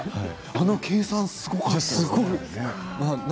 あの計算すごかったですね。